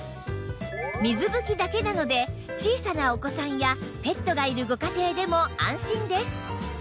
水拭きだけなので小さなお子さんやペットがいるご家庭でも安心です